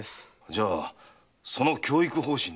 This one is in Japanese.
じゃあその教育方針で。